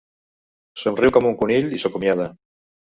Somriu com un conill i s'acomiada.